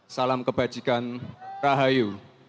salam kebajikan rahayu